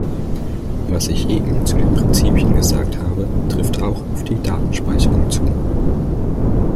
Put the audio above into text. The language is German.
Was ich eben zu den Prinzipien gesagt habe, trifft auch auf die Datenspeicherung zu.